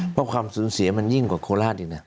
เพราะความสูญเสียมันยิ่งกว่าโคราชอีกนะ